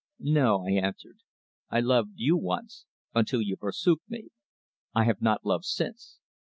"No," I answered. "I loved you once, until you forsook me. I have not loved since."